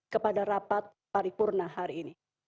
kepada rapat paripurna hari ini